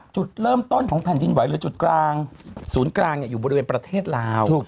จุดเริ่มต้นของแผ่นดินไหวหรือจุดกลางศูนย์กลางอยู่บริเวณประเทศลาว